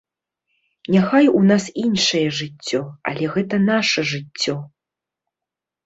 Няхай у нас іншае жыццё, але гэта наша жыццё.